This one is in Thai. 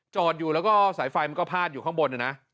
จอดอยู่แล้วก็สายไฟมันก็พาดอยู่ข้างบนนะ